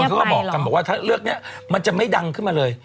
บางคนก็บอกว่าเรื่องนี้มันจะไม่ดังขึ้นมาเลย